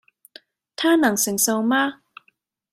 他能承受嗎？